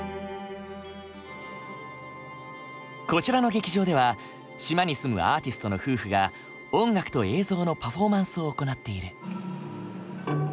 こちらの劇場では島に住むアーティストの夫婦が音楽と映像のパフォーマンスを行っている。